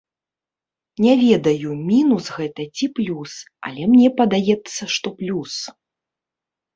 Не ведаю, мінус гэта ці плюс, але мне падаецца, што плюс.